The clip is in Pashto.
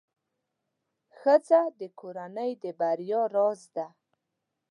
ښځه د کورنۍ د بریا راز ده.